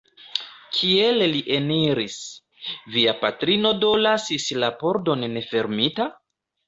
Kiel li eniris? Via patrino do lasis la pordon nefermita?